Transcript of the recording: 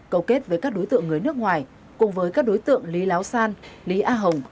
cầu kết với các đối tượng người nước ngoài cùng với các đối tượng lý láo san lý a hồng